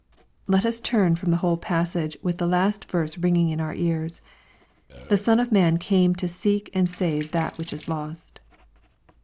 Let us turn from the whole passage with the last verse ringing in our ears, —'^ The Son of man came to seek and save that which is lost."